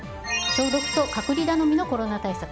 消毒と隔離頼みのコロナ対策。